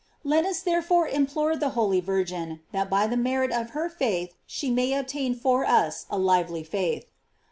Let us therefore implore the holy Vir gin, that by the merit of her faith she may obtain for us a lively faith.